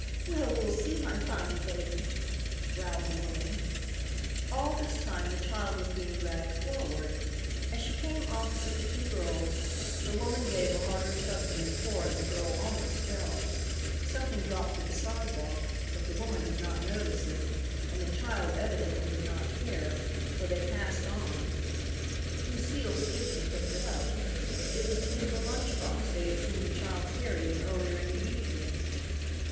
"Well, we'll see, my fine lady," growled the woman. All this time the child was being dragged forward. As she came opposite the two girls, the woman gave a harder tug than before and the girl almost fell. Something dropped to the sidewalk, but the woman did not notice it, and the child evidently did not care, for they passed on. Lucile stooped and picked it up. It was the paper lunch box they had seen the child carrying earlier in the evening.